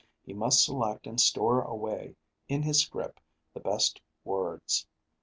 He must select and store away in his scrip the best words.